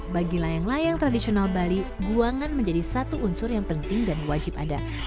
bagi layang layang tradisional bali guangan menjadi satu unsur yang penting dan wajib ada